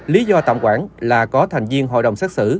lý do tạm quản là có thành viên hội đồng xét xử